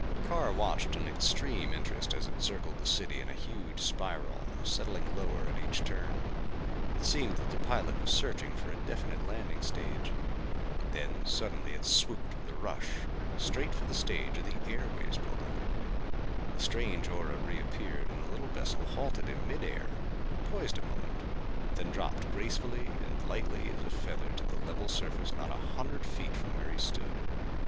Carr watched in extreme interest as it circled the city in a huge spiral, settling lower at each turn. It seemed that the pilot was searching for a definite landing stage. Then suddenly it swooped with a rush. Straight for the stage of the Airways building! The strange aura reappeared and the little vessel halted in mid air, poised a moment, then dropped gracefully and lightly as a feather to the level surface not a hundred feet from where he stood.